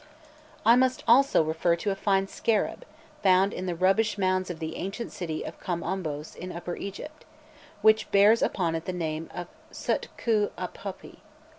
I must also refer to a fine scarab found in the rubbish mounds of the ancient city of Kom Ombos, in Upper Egypt which bears upon it the name of Sutkhu Apopi.